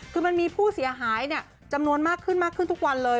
คือมันมีผู้เสียหายเนี่ยจำนวนมากขึ้นทุกวันเลย